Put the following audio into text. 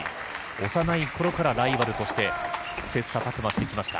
幼い頃からライバルとして切磋琢磨してきました。